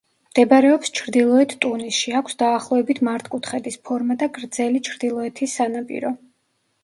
მდებარეობს ჩრდილოეთ ტუნისში, აქვს დაახლოებით მართკუთხედის ფორმა და გრძელი ჩრდილოეთის სანაპირო.